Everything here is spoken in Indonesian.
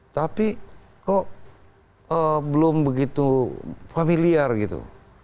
tapi kok belum begitu familiar gitu